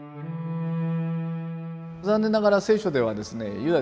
残念ながら聖書ではですねユダ